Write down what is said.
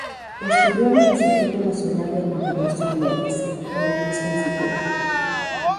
Estudió en el Instituto Nacional y a continuación Leyes, en el mismo Instituto.